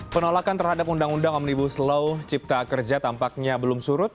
penolakan terhadap undang undang omnibus law cipta kerja tampaknya belum surut